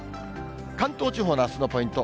関東地方のあすのポイント。